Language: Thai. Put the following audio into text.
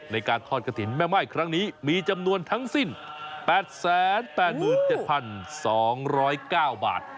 ในการทอดกระถิ่นแม่ม่ายครั้งนี้มีจำนวนทั้งสิ้น๘๘๗๒๐๙บาท